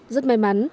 rất may mắn